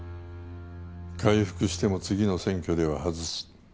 回復しても次の選挙では外す。